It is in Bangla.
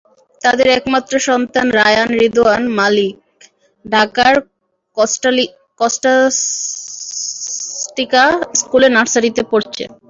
তাঁদের একমাত্র সন্তান রায়ান রিদোয়ান মালিক ঢাকার স্কলাস্টিকা স্কুলে নার্সারিতে পড়ছে।